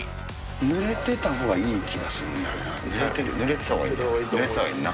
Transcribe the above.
ぬれてたほうがいい気がするんだけどな。